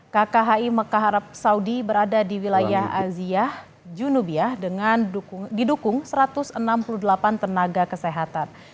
kkhi mekah arab saudi berada di wilayah aziah junubiah dengan didukung satu ratus enam puluh delapan tenaga kesehatan